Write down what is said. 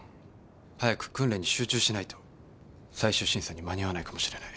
早く訓練に集中しないと最終審査に間に合わないかもしれない。